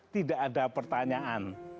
tidak ada pertanyaan